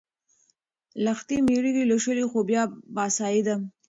لښتې مېږې لوشلې خو بیا پاڅېده.